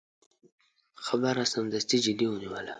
خبره سمدستي جدي ونیوله.